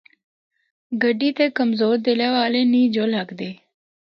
گڈی تے کمزور دلا والے نیں جُل ہکدے۔